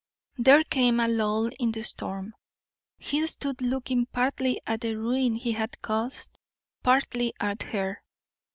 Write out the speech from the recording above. There came a lull in the storm. He stood looking partly at the ruin he had caused, partly at her.